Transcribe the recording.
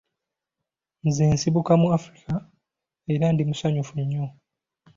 Nze nsibuka mu Africa era ndi musanyufu nnyo.